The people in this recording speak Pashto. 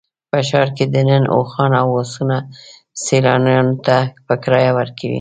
په ښار کې دننه اوښان او اسونه سیلانیانو ته په کرایه ورکوي.